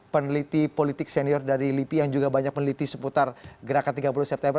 peneliti politik senior dari lipi yang juga banyak peneliti seputar gerakan tiga puluh september